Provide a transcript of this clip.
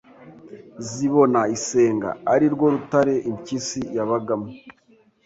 Zibona isenga, ari rwo rutare impyisi yabagamo,